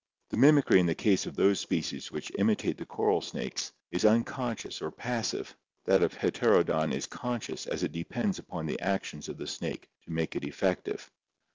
The mimicry in the case of those species which imitate the coral snakes is unconscious or passive, that of Heterodon is conscious as it depends upon the actions of the snake to make it effective.